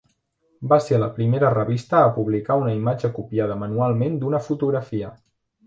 Va ser la primera revista a publicar una imatge copiada manualment d'una fotografia.